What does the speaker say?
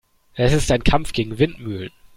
Es ist ein Kampf gegen Windmühlen.